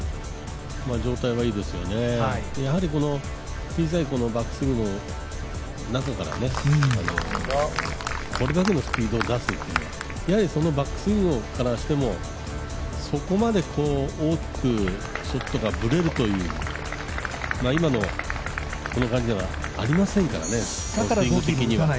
状態はいいですよね、この小さいバックスイングの中からこれだけのスピードを出すというのは、やはりそのバックスイングからしてもそこまで大きくショットがぶれるという、今のこの感じではありませんからね。